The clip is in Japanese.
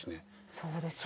そうですよね。